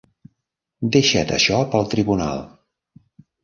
Deixa't això pel Tribunal.